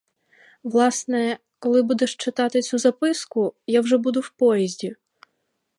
Власне, коли будеш читати цю записку, я вже буду в поїзді.